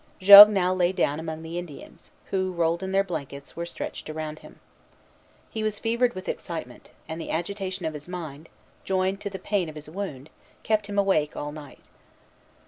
Jogues now lay down among the Indians, who, rolled in their blankets, were stretched around him. He was fevered with excitement; and the agitation of his mind, joined to the pain of his wound, kept him awake all night.